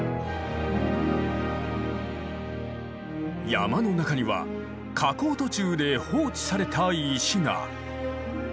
山の中には加工途中で放置された石が。